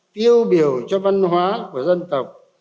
tiêu biểu cho văn hóa của dân tộc